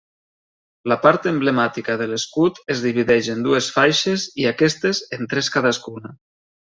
La part emblemàtica de l'escut es divideix en dues faixes i aquestes en tres cadascuna.